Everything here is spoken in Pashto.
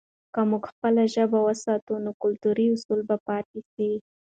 که موږ خپله ژبه وساتو، نو کلتوري اصل به پاته سي.